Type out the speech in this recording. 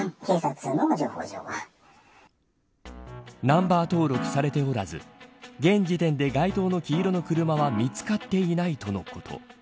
ナンバー登録されておらず現時点で該当の黄色の車は見つかっていないとのこと。